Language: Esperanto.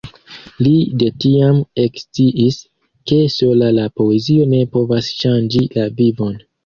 Li de tiam eksciis, ke sola la poezio ne povas ŝanĝi la vivon.